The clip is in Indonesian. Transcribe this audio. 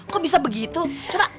kok bisa begitu coba